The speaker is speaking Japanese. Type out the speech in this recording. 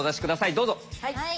どうぞ。